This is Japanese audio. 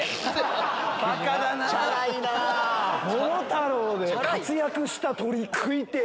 『桃太郎』で活躍した鳥食いてぇ。